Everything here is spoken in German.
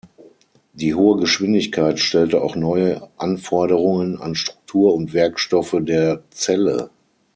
Die hohe Geschwindigkeit stellte auch neue Anforderungen an Struktur und Werkstoffe der Zelle.